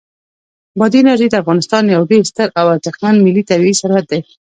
بادي انرژي د افغانستان یو ډېر ستر او ارزښتمن ملي طبعي ثروت دی.